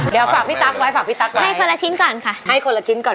เดี๋ยวฝากพี่ตั๊กไว้ฝากพี่ตั๊กไว้ให้คนละชิ้นก่อนค่ะให้คนละชิ้นก่อน